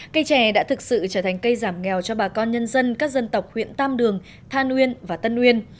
cây trẻ đã thực sự trở thành cây giảm nghèo cho bà con nhân dân các dân tộc huyện tam đường thàn uyên và tân uyên